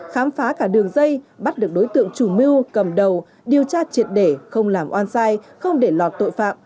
khám phá cả đường dây bắt được đối tượng chủ mưu cầm đầu điều tra triệt để không làm oan sai không để lọt tội phạm